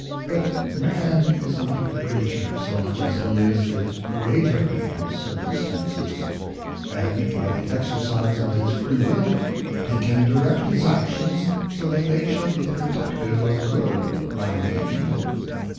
But man is not the creature, so much as he is the creator, of cir cumstances; and, by the exercise of his free will, he can direct his actions so that they shall be productive of good rather than evil.